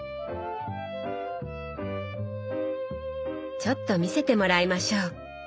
ちょっと見せてもらいましょう。